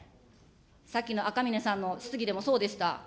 さっきの赤嶺さんの質疑でもそうでした。